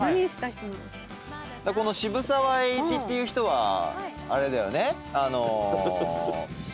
渋沢栄一っていう人は。